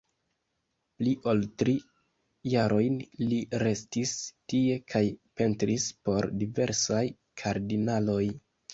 Pli ol tri jarojn li restis tie kaj pentris por diversaj kardinaloj.